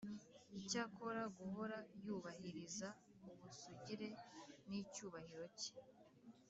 Icyakora guhora yubahiriza ubusugire n, icyubahiro cye.